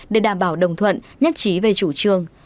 để đảm bảo đồng thuận nhất trí về chủ trương